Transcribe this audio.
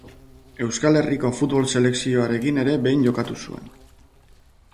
Euskal Herriko futbol selekzioarekin ere behin jokatu zuen.